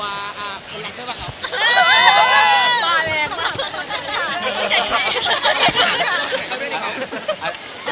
อ่าคุณอีกได้ป่ะครับ